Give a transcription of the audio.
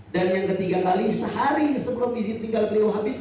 dan yang ketiga kali sehari sebelum izin tinggal beliau habis